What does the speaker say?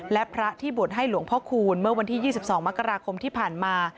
และพระที่บวชให้หลวงพ่อคูณเมื่อวันที่๒๒มกราคมที่ผ่านมา